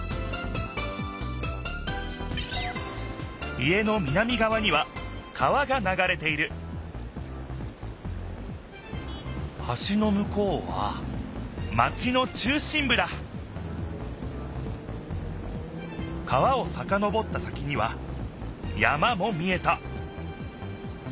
家の南がわには川がながれているはしのむこうはマチの中心ぶだ川をさかのぼった先には山も見えた